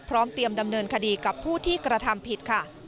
พร้อมเตรียมดำเนินคดีกับผู้ที่กระทำผิด